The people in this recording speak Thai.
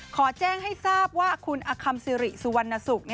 ขอแจ้งให้ทราบว่าคุณอคัมซิริสุวรรณสุข